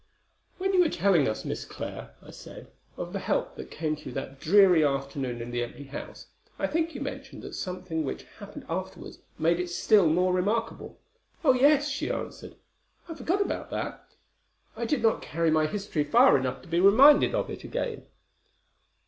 "When you were telling us, Miss Clare," I said, "of the help that came to you that dreary afternoon in the empty house, I think you mentioned that something which happened afterwards made it still more remarkable." "Oh, yes!" she answered: "I forgot about that. I did not carry my history far enough to be reminded of it again.